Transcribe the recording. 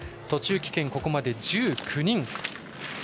途中棄権がここまで１９人。